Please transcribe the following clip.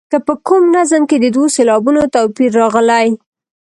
که په کوم نظم کې د دوو سېلابونو توپیر راغلی.